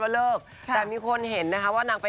ว่าตกลงเนี่ยจะเป็นยังไง